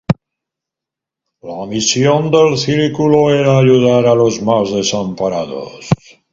La misión del Círculo era ayudar a los más desamparados.